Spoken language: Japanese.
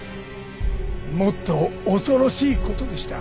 もっと恐ろしい事でした。